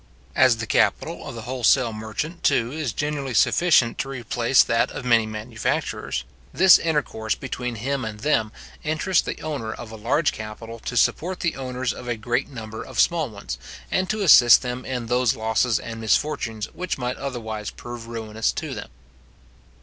As the capital of the wholesale merchant, too, is generally sufficient to replace that of many manufacturers, this intercourse between him and them interests the owner of a large capital to support the owners of a great number of small ones, and to assist them in those losses and misfortunes which might otherwise prove ruinous to them.